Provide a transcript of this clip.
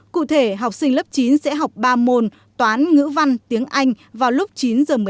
cụ thể học sinh lớp chín sẽ học ba môn toán ngữ văn tiếng anh vào lúc chín h một mươi năm